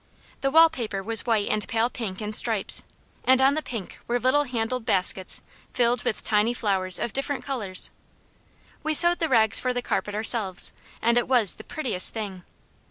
The wall paper was white and pale pink in stripes, and on the pink were little handled baskets filled with tiny flowers of different colours. We sewed the rags for the carpet ourselves, and it was the prettiest thing.